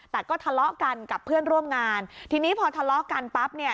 แต่ก็ทะเลาะกันกับเพื่อนร่วมงานทีนี้พอทะเลาะกันปั๊บเนี่ย